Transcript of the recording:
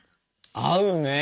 合うね！